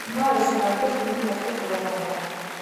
მარეს სანაპიროს დიდი ნაწილი კლდოვანია.